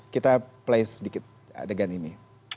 kita play sedikit adegan ini